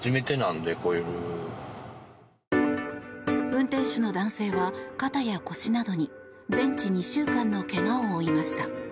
運転手の男性は肩や腰などに全治２週間の怪我を負いました。